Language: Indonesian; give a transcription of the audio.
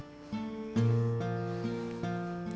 kenapa dikasih nama muslihat